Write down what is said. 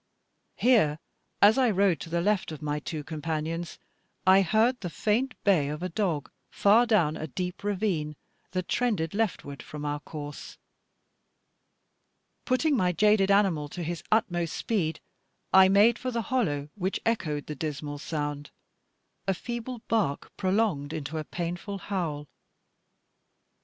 Here as I rode to the left of my two companions, I heard the faint bay of a dog far down a deep ravine, that trended leftward from our course. Putting my jaded animal to his utmost speed, I made for the hollow which echoed the dismal sound a feeble bark prolonged into a painful howl.